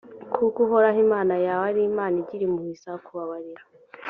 kuko uhoraho imana yawe ari imana igira impuhwe izakubabarira